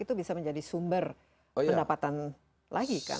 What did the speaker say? itu bisa menjadi sumber pendapatan lagi kan